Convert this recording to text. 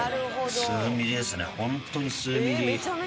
数ミリですね、本当に数ミリ。